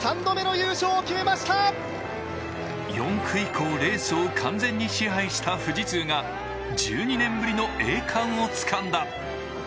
４区以降レースを完全に支配した富士通が１２年ぶりの栄冠をつかんだ。